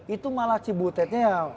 itu malah cibutetnya ya